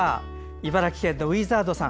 茨城県のウィザードさん。